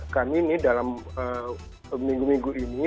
kami ini dalam minggu minggu ini